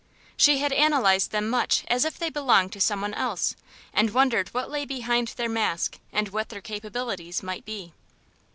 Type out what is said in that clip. She had analyzed them much as if they belonged to someone else, and wondered what lay behind their mask, and what their capabilities might be.